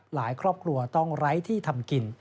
ครอบครัวต้องไร้ที่ทำกิน